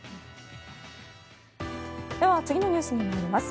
では次のニュースに参ります。